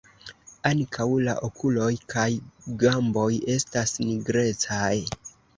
Ankaŭ la okuloj kaj gamboj estas nigrecaj.